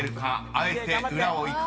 あえて裏をいくか？